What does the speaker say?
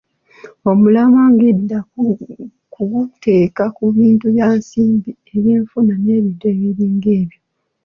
Omulamwa ng'enda kuguteeka ku bintu bya nsimbi, ebyenfuna n'ebintu ebiringa ebyo.